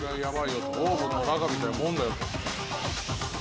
オーブンの中みたいなもんだよと。